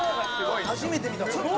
「初めて見たこれ」